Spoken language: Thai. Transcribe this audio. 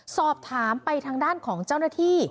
สอบถามไปทางด้านของเจ้าหน้าที่